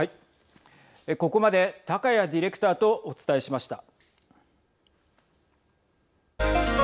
ここまで高谷ディレクターとお伝えしました。